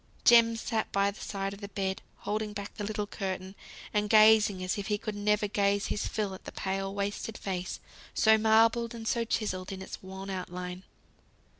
Jem sat by the side of the bed, holding back the little curtain, and gazing as if he could never gaze his fill at the pale, wasted face, so marbled and so chiselled in its wan outline.